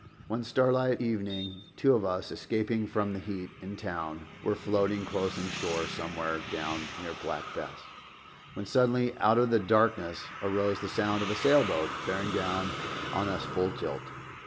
One starlight evening two of us, escaping from the heat in town, were floating close inshore somewhere down near Black Bess, when suddenly out of the darkness arose the sound of a sailboat bearing down on us full tilt.